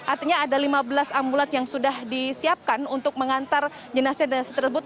artinya ada lima belas ambulans yang sudah disiapkan untuk mengantar jenazah jenazah tersebut